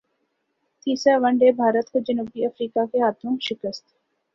تیسرا one day Bharat کو جنوبی افریقا کے ہاتھوں شکست